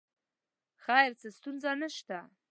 خیر څه ستونزه نه شته.